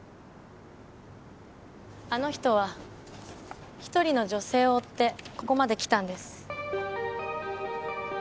あの人は一人の女性を追ってここまで来たんです。